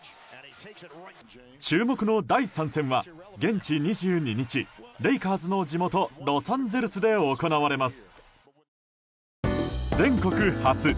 注目の第３戦は、現地２２日レイカーズの地元ロサンゼルスで行われます。